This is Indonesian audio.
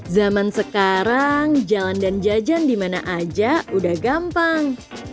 zaman sekarang jalan dan jajan dimana aja udah gampang